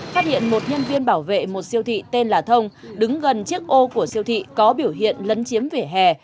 phát hiện một nhân viên bảo vệ một siêu thị tên là thông đứng gần chiếc ô của siêu thị có biểu hiện lấn chiếm vỉa hè